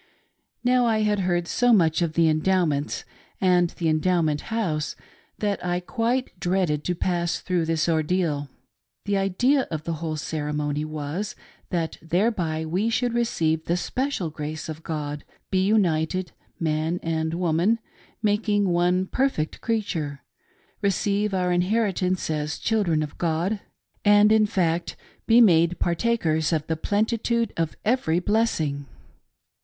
Now, I had heard so much of the Endowments and the Endowment House that I quite dreaded to pass through this ordeal. The idea of the whole ceremony was, that thereby we should receive the special grace of God ; be united — man and THE MYSTERIES OF THE ENDOWMENT HOUSE. 353 woman — making one perfect creature; receive our inherit ance as children of God ; and, in fact, be made partakers of the plenitude of every blessing.